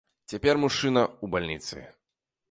Цяпер мужчына ў бальніцы.